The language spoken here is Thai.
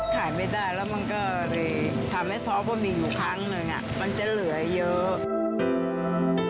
ขายไม่ได้แล้วมันก็เลยทำให้ซ้อบะหมี่อยู่ครั้งหนึ่งมันจะเหลือเยอะ